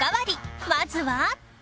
まずは